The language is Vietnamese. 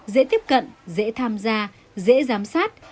dễ tiếp cận dễ tham gia dễ giám sát